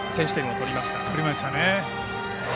取りましたね。